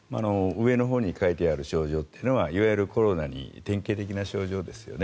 上のほうに書いてある症状というのはいわゆるコロナの典型的な症状ですよね。